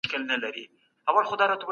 د وړیو نساجي زموږ د هېواد پخوانی صنعت دی.